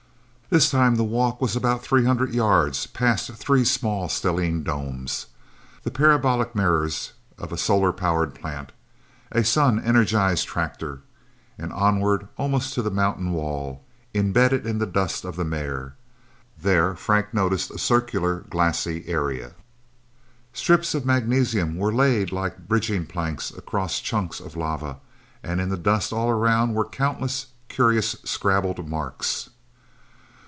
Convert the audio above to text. This time the walk was about three hundred yards, past three small stellene domes, the parabolic mirrors of a solar power plant, a sun energized tractor, and onward almost to the mountain wall, imbedded in the dust of the mare. There Frank noticed a circular, glassy area. Strips of magnesium were laid like bridging planks across chunks of lava, and in the dust all around were countless curious scrabbled marks.